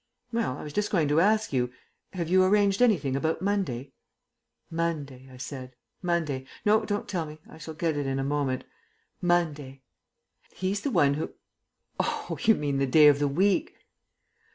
"Well, I was just going to ask you have you arranged anything about Monday?" "Monday," I said, "Monday. No, don't tell me I shall get it in a moment. Monday ... He's the one who Oh, you mean the day of the week?"